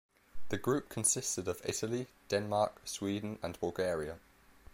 The group consisted of Italy, Denmark, Sweden and Bulgaria.